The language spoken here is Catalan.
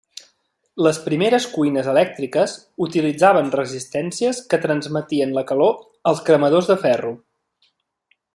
Les primeres cuines elèctriques utilitzaven resistències que transmetien la calor als cremadors de ferro.